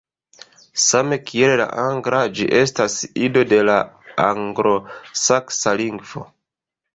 Same kiel la angla, ĝi estas ido de la anglosaksa lingvo.